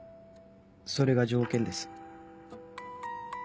それが条件です。